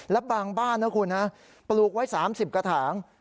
แล้วบางบ้านนะคุณนะปลูกไว้๓๐กระถาง